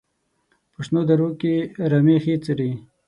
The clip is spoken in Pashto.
په شنو درو کې رمې ښې څري.